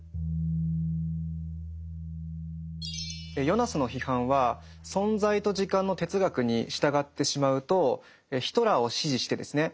ヨナスの批判は「存在と時間」の哲学に従ってしまうとヒトラーを支持してですね